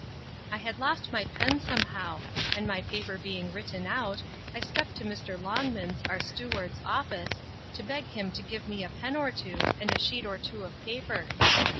I had lost my pen some how; and my paper being written out, I stepped to Mr. Longman's, our steward's, office, to beg him to give me a pen or two, and a sheet or two of paper.